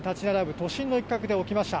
都心の一角で起きました。